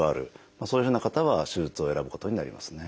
そういうふうな方は手術を選ぶことになりますね。